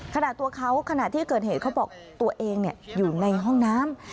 ตัวเขาขณะที่เกิดเหตุเขาบอกตัวเองอยู่ในห้องน้ำ